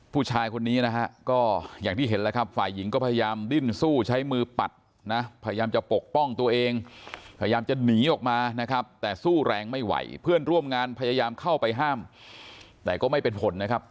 ผู้ชายคนนี้นะฮะก็อย่างที่เห็นแล้วครับฝ่ายหญิงก็พยายามดิ้นสู้ใช้มือปัดนะพยายามจะปกป้องตัวเองพยายามจะหนีออกมานะครับแต่สู้แรงไม่ไหวเพื่อนร่วมงานพยายามเข้าไปห้ามแต่ก็ไม่เป็นผลนะครับ